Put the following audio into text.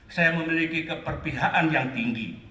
saya memiliki keperpihakan yang tinggi